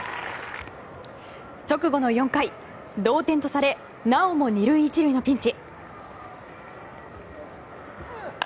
直後の４回、同点とされなおも２塁１塁のピンチ。